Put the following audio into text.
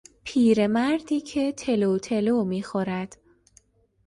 پیر مردی که تلوتلو میخورد